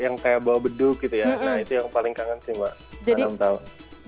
nah itu yang paling kangen sih mbak enam tahun